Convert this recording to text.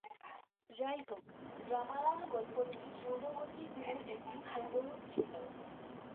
যাইহোক, "ড্রামারাম" গল্পটি পূর্ববর্তীগুলির একটি পূর্বরূপ ছিল।